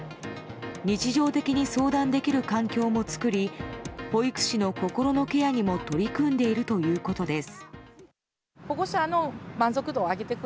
日常的に相談できる環境を作り保育士の心のケアにも取り組んでいるということです。